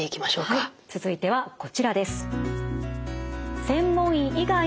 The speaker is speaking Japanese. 続いてはこちらです。